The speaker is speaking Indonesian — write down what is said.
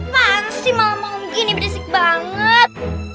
mana sih malem malem gini berisik banget